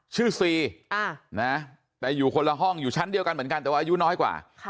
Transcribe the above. ซีแต่อยู่คนละห้องอยู่ชั้นเดียวกันเหมือนกันแต่ว่าอายุน้อยกว่า